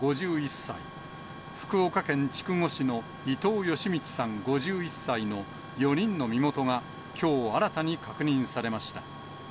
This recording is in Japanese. ５１歳、福岡県筑後市の伊藤嘉通さん５１歳の４人の身元が、きょう新たに確認されました。